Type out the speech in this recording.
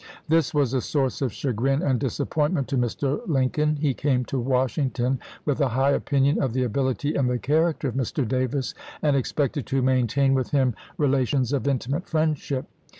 This was a source of chagrin and disappointment to Mr. Lincoln. He came to Washington with a high opinion of the ability and the character of Mr. Davis, and expected to maintain with him rela tions of intimate friendship.